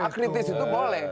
ketika kritis itu boleh